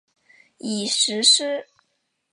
已实施。